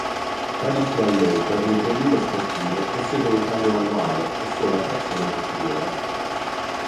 Tradizionalmente le berline sportive possiedono un cambio manuale e sono a trazione posteriore.